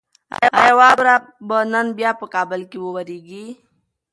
ایا واوره به نن بیا په کابل کې وورېږي؟